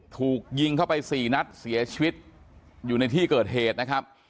ถูกยิงเข้าไปสี่นัดเสียชีวิตอยู่ในที่เกิดเหตุนะครับ